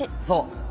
そう。